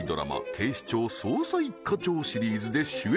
警視庁・捜査一課長シリーズで主演